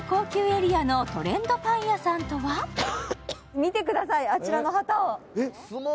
見てください、あちらの旗を。